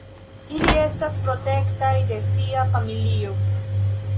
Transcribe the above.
Ili estas protektaj de sia familio.